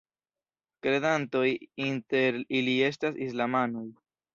Kredantoj inter ili estas islamanoj.